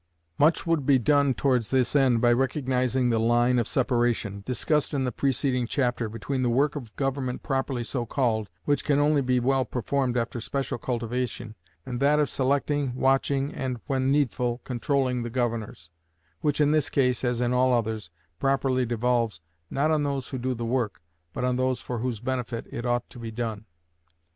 Much would be done towards this end by recognizing the line of separation, discussed in the preceding chapter, between the work of government properly so called, which can only be well performed after special cultivation, and that of selecting, watching, and, when needful, controlling the governors, which in this case, as in all others, properly devolves, not on those who do the work, but on those for whose benefit it ought to be done.